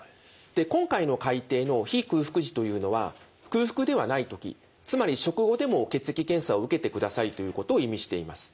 で今回の改訂の非空腹時というのは空腹ではない時つまり食後でも血液検査を受けてくださいということを意味しています。